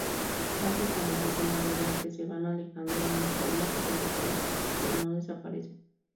Básicamente, son barreras que se van alejando al mejorar la tecnología, pero no desaparecen.